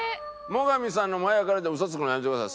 最上さんの前やからって嘘つくのはやめてください。